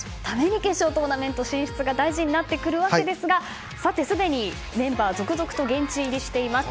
決勝トーナメント進出が大事となってくるわけですがさて、すでにメンバー続々と現地入りしています。